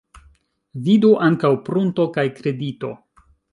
Vidu ankaŭ prunto kaj kredito.